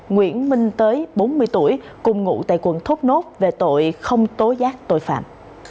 nguyễn minh tới bốn mươi tuổi cùng ngụ tại quận thốt nốt về tội không tố giác tội phạm